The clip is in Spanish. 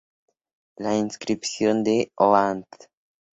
La inscripción "The Land.